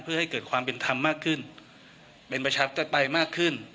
เพื่อให้เกิดความเป็นธรรมมากขึ้นเป็นประชาธิปไตยมากขึ้น